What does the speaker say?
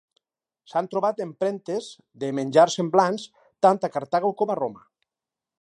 S'han trobat empremtes de menjars semblants tant a Cartago com a Roma.